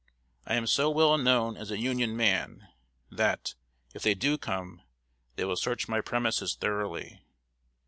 I am so well known as a Union man, that, if they do come, they will search my premises thoroughly.